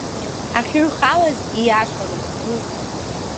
Ҳахьыҩхалаз, ииашароуп, дәуп.